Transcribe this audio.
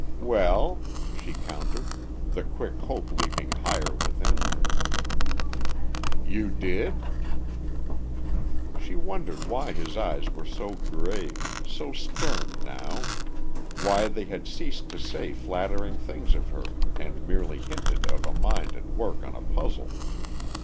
"Well?" she countered, the quick hope leaping higher within her. "You did?" She wondered why his eyes were so grave, so stern now, why they had ceased to say flattering things of her and merely hinted of a mind at work on a puzzle.